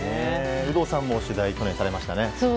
有働さんも取材を去年されましたね。